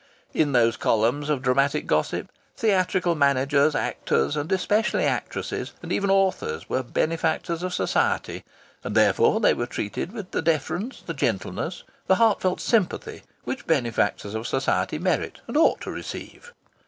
In those columns of dramatic gossip theatrical managers, actors, and especially actresses, and even authors, were benefactors of society, and therefore they were treated with the deference, the gentleness, the heartfelt sympathy which benefactors of society merit and ought to receive.